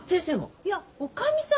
いやおかみさん！